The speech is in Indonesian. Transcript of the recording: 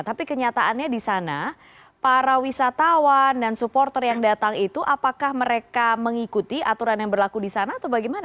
tapi kenyataannya di sana para wisatawan dan supporter yang datang itu apakah mereka mengikuti aturan yang berlaku di sana atau bagaimana